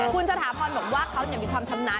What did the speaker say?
คุณสถาพรบอกว่าเขามีความชำนาญ